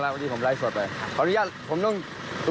ต้องขออนุญาตไม่ให้ใช้นะครับ